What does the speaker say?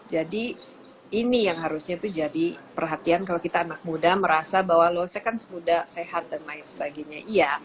jadi ini yang harusnya itu jadi perhatian kalau kita anak muda merasa bahwa lo sekan semudah sehat dan lain sebagainya iya